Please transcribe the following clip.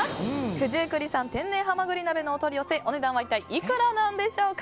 九十九里産「天然」はまぐり鍋のお取り寄せお値段は一体いくらでしょうか？